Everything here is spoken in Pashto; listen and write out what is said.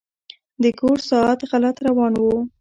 د کور ساعت غلط روان و.